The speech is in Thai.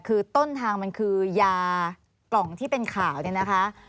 คือต้นทางมันคือยากล่องที่เป็นข่าวเนี่ยนะคะ